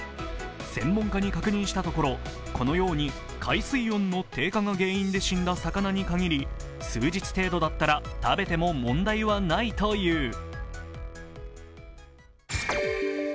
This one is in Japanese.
専門家に確認したところ、このように海水温の低下が原因で死んだ魚にかぎり、数日程度だったら食べても問題はないという。